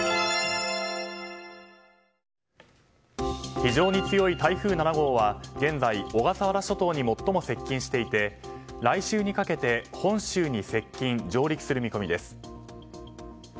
非常に強い台風７号は現在、小笠原諸島に最も接近していて来週にかけて本州に接近・上陸する見込みです。